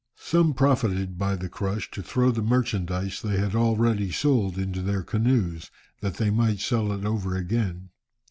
Some profited by the crush to throw the merchandize they had already sold into their canoes, that they might sell it over again.